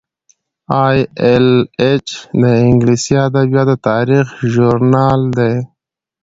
ای ایل ایچ د انګلیسي ادبیاتو د تاریخ ژورنال دی.